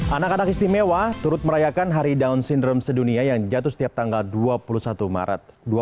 anak anak istimewa turut merayakan hari down syndrome sedunia yang jatuh setiap tanggal dua puluh satu maret